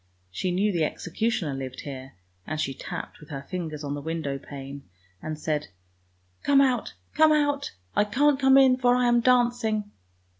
She knew the executioner lived here, and she tapped with her fingers on the window pane and said, —" Come out! come out! I can't come in for I am dancing!